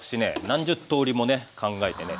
何十通りもね考えてね